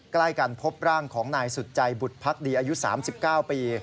ใกล้กันพบร่างของนายสุดใจบุตรพักดีอายุ๓๙ปี